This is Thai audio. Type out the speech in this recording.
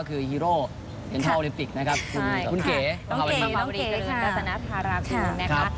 ก็คือฮีโร่เก็งเท่าอลิมปิกนะครับคุณเก๋ประวัติธรรมดิกับสนัทธาราคุณนะครับ